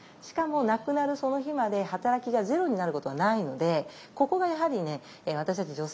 しかも亡くなるその日まで働きがゼロになることはないのでここがやはりね私たち